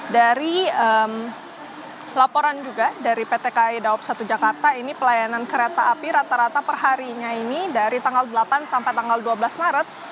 dari laporan juga dari pt kai dawab satu jakarta ini pelayanan kereta api rata rata perharinya ini dari tanggal delapan sampai tanggal dua belas maret